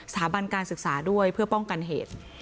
บันการศึกษาด้วยเพื่อป้องกันเหตุ